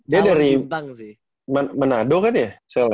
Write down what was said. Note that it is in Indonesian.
dia dari manado kan ya